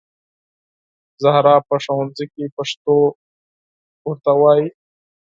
زهرا په ښوونځي کې پښتو تدریسوي